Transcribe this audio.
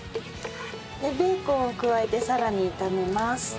でベーコンを加えてさらに炒めます。